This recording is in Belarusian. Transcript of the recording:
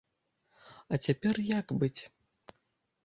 А цяпер як быць?